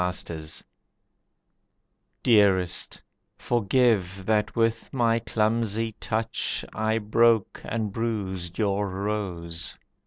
Stupidity Dearest, forgive that with my clumsy touch I broke and bruised your rose.